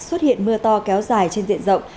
xuất hiện mưa to kéo dài trên diện rộng